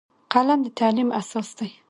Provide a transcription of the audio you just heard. قلم د تعلیم اساس دی